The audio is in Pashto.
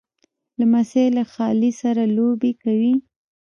لمسی له خالې سره لوبې کوي.